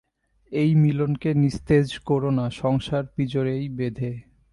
এই মিলনকে নিস্তেজ করো না সংসার-পিঁজরেয় বেঁধে।